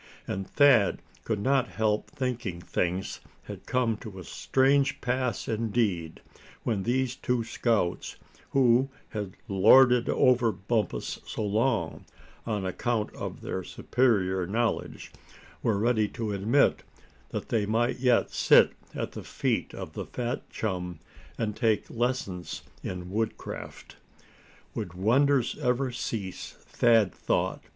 And Thad could not help thinking things had come to a strange pass indeed, when these two scouts, who had lorded it over Bumpus so long, on account of their superior knowledge, were ready to admit that they might yet sit at the feet of the fat chum, and take lessons in woodcraft. Would wonders ever cease, Thad thought?